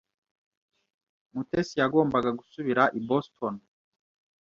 Mutesi yagombaga gusubira i Boston.